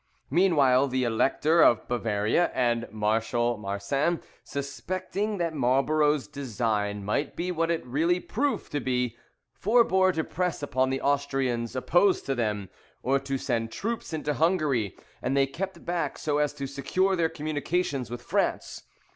Meanwhile the Elector of Bavaria and Marshal Marsin, suspecting that Marlborough's design might be what it really proved to be, forbore to press upon the Austrians opposed to them, or to send troops into Hungary; and they kept back so as to secure their communications with France.